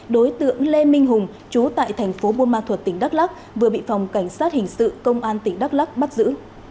đối tượng lê minh hùng chú tại thành phố buôn ma thuật tỉnh đắk lắc vừa bị phòng cảnh sát hình sự công an tỉnh đắk lắc bắt giữ